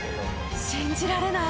信じられない！